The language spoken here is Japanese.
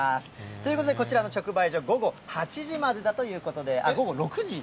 ということで、こちらの直売所、午後８時までだということで、午後６時？